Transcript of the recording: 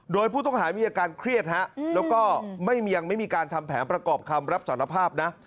โดยผู้ต้องหามีอาการเครียดฮะแล้วก็ยังไม่มีการทำแผนประกอบคำรับสารภาพนะ